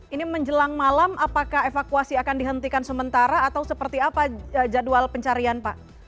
ini menjelang malam apakah evakuasi akan dihentikan sementara atau seperti apa jadwal pencarian pak